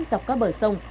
dọc các bờ sông